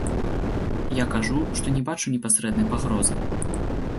Я кажу, што не бачу непасрэднай пагрозы.